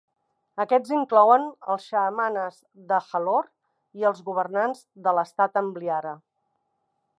Aquests inclouen els Chahamanas de Jalor i els governants de l"Estat Ambliara.